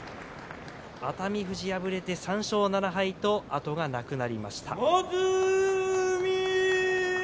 熱海富士、敗れて３勝７敗と後がなくなりました。